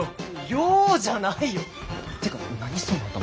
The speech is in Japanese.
ようじゃないよてか何その頭。